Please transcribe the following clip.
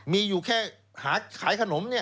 มีอยู่แค่หาขายขนมเนี่ย